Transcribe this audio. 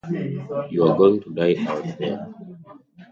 You're going to die out there.